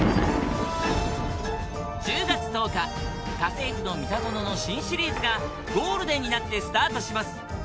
１０月１０日『家政夫のミタゾノ』の新シリーズがゴールデンになってスタートします